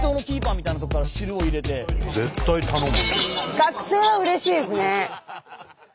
学生はうれしいですね。